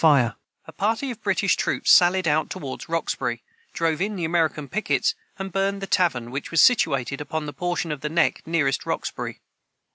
] [Footnote 141: A party of British troops sallied out toward Roxbury, drove in the American pickets, and burned the tavern which was situated upon the portion of the neck nearest Roxbury.